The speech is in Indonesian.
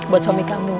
buat suami kamu